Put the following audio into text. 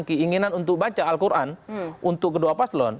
keinginan untuk baca al quran untuk kedua paslon